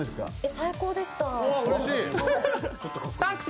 最高でした。